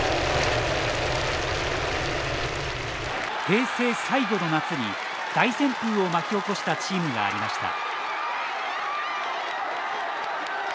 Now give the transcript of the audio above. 平成最後の夏に大旋風を巻き起こしたチームがありました。